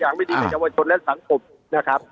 อย่างไม่ดีในจังหวัดชนและสังคมนะครับ